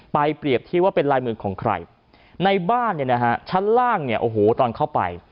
เปรียบเทียบว่าเป็นลายมือของใครในบ้านเนี่ยนะฮะชั้นล่างเนี่ยโอ้โหตอนเข้าไป